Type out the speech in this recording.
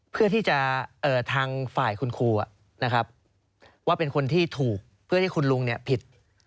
เพื่อที่จะทางฝ่ายคุณครูนะครับว่าเป็นคนที่ถูกเพื่อที่คุณลุงผิด